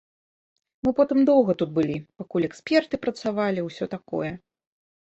Мы потым доўга тут былі, пакуль эксперты працавалі, ўсё такое.